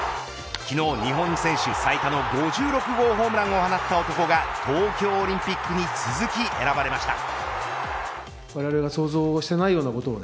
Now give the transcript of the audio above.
昨日、日本選手最多の５６号ホームランを放った男が東京オリンピックに続き選ばれました。